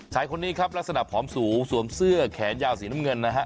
ชายคนนี้ครับลักษณะผอมสูงสวมเสื้อแขนยาวสีน้ำเงินนะฮะ